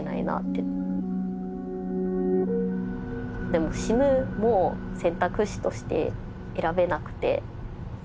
でも「死ぬ」も選択肢として選べなくて。